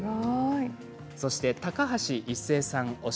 そして高橋一生さん推し